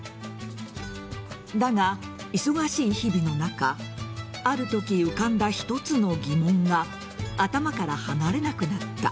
だが、忙しい日々の中あるとき浮かんだ一つの疑問が頭から離れなくなった。